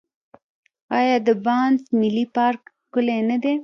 آیا د بانف ملي پارک ښکلی نه دی؟